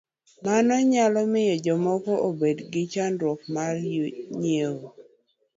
Mano nyalo miyo jomoko obed gi chandruok mar yueyo.